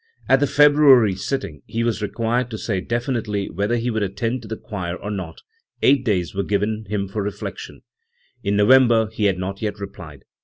At the February sitting he was required to say definitely whether he would attend to the choir or not; eight days were given him for reflection. In November he had not yet replied.